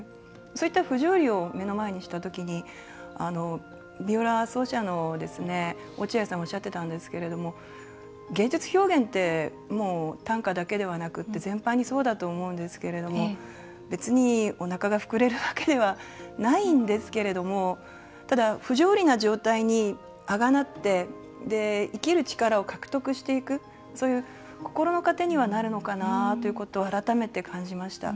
そういった不条理を目の前にしたときにヴィオラ奏者のですね、落合さんおっしゃってたんですけれども芸術表現ってもう短歌だけではなくって全般にそうだと思うんですけれど別におなかが膨れるわけではないんですけれどただ、不条理な状態にあらがって生きる力を獲得していくそういう心の糧にはなるのかなということを、改めて感じました。